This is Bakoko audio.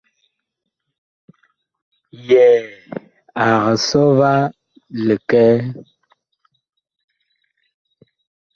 Yɛɛ ag sɔ va likɛɛ.